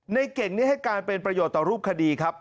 ในเก่งนี้ให้การเป็นประโยชน์ต่อรูปคดีครับ